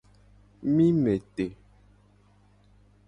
Mi me te.